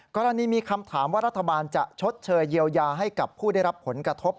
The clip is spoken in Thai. กรณีมีคำถามว่ารัฐบาลจะชดเชยเยียวยาให้กับผู้ได้รับผลกระทบ